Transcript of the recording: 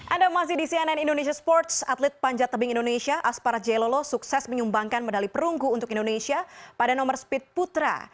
anda masih di cnn indonesia sports atlet panjat tebing indonesia aspara jailolo sukses menyumbangkan medali perunggu untuk indonesia pada nomor speed putra